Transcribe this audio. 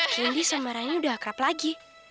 candy sama rani udah akrab lagi